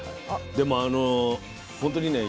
でも本当にね